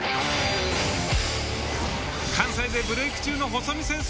関西でブレーク中の細身センス